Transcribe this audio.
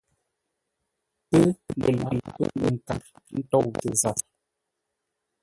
Pə́ lə laghʼ pə̂ mənkar ntôutə zap.